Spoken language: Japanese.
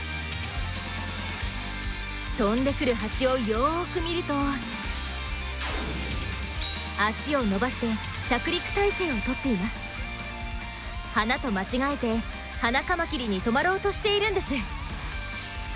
飛んでくるハチをよく見ると脚を伸ばして花と間違えてハナカマキリに止まろうとしているんです。